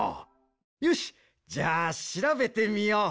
よしじゃあしらべてみよう。